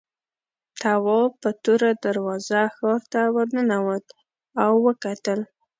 تواب په توره دروازه ښار ته ورننوت او وکتل.